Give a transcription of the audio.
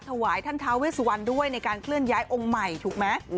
ถวายท่านท้าเวสวันด้วยในการเคลื่อนย้ายองค์ใหม่ถูกไหม